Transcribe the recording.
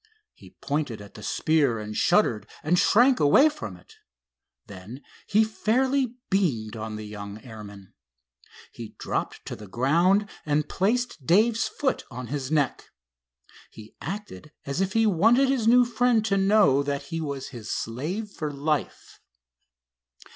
He pointed at the spear and shuddered and shrank away from it. Then he fairly beamed on the young airman. He dropped to the ground and placed Dave's foot on his neck. He acted as if he wanted his new friend to know that he was his slave for life.